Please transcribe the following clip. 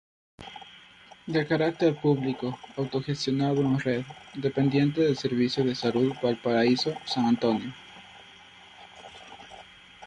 De carácter público, autogestionado en red, dependiente del Servicio de Salud Valparaíso- San Antonio.